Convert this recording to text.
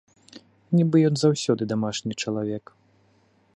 Нібы ён заўсёды дамашні чалавек.